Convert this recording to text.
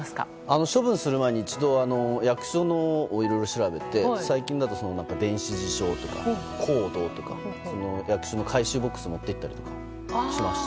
処分する前に一度役所をいろいろ調べて最近だと電子辞書とかコードとか役所の回収ボックスに持って行ったりしました。